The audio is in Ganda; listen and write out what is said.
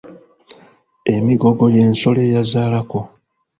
Emigogo y’ensolo eyazaalako.